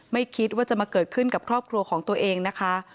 ไม่คิดว่าจะมาเกิดขึ้นกับครอบครัวของตัวเองนะคะ